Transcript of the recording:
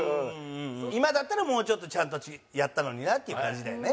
今だったらもうちょっとちゃんとやったのになっていう感じだよね。